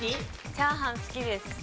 チャーハン好きです。